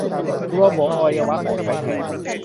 กลวงโบ๋ อวัยวะ ของใช้แทน